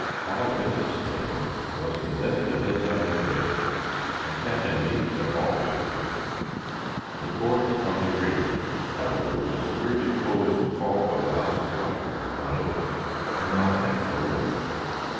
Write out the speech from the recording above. Harl Vincent's tale was the best of his I have read; and Captain Meek's are always good. "The Corpse on the Grating," however, was merely Poe's "Fall of the House of Usher" done over, and not half so well.